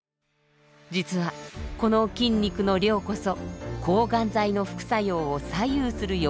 実はこの筋肉の量こそ抗がん剤の副作用を左右する要因だったのです。